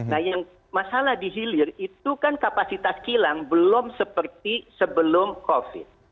nah yang masalah di hilir itu kan kapasitas kilang belum seperti sebelum covid